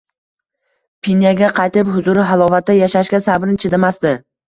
Pinyaga qaytib, huzur-halovatda yashashga sabrim chidamasdi